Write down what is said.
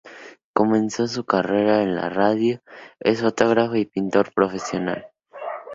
Comenzó su carrera en la radio, es fotógrafo y pintor profesional.